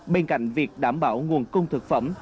bên cạnh việc đảm bảo nguồn cung thực phẩm